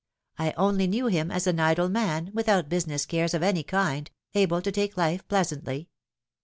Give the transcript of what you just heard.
I onlj knew him as an idle man, without business cares of any kind, able to take life pleasantly.